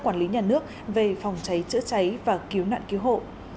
quản lý nhà nước về phòng cháy chữa cháy và cứu nạn cứu hộ